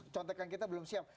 contekan kita belum siap